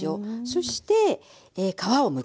そして皮をむく。